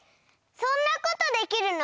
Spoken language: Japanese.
そんなことできるの？